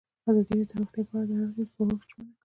ازادي راډیو د روغتیا په اړه د هر اړخیز پوښښ ژمنه کړې.